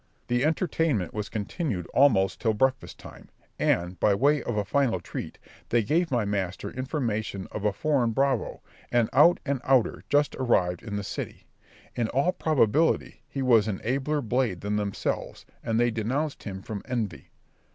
The entertainment was continued almost till breakfast time; and, by way of a final treat, they gave my master information of a foreign bravo, an out and outer, just arrived in the city. In all probability he was an abler blade than themselves, and they denounced him from envy.